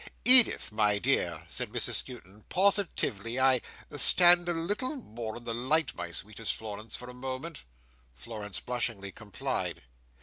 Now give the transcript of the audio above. "Edith, my dear," said Mrs Skewton, "positively, I—stand a little more in the light, my sweetest Florence, for a moment." Florence blushingly complied.